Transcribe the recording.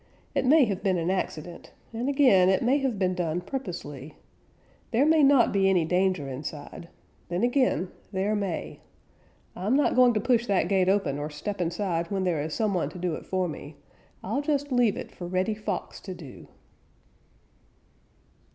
"It may have been an accident, and again it may have been done purposely. There may not be any danger inside; then again there may. I'm not going to push that gate open or step inside when there is some one to do it for me. I'll just leave it for Reddy Fox to do."